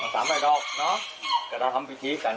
สามรอยดอกแต่เราทำพิธีกัน